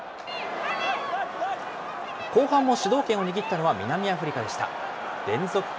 後半も主導権を握ったのは南アフリカでした。